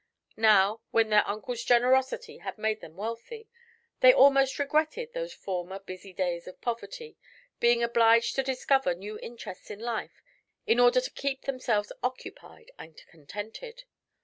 Now, when their uncle's generosity had made them wealthy, they almost regretted those former busy days of poverty, being obliged to discover new interests in life in order to keep themselves occupied and contented.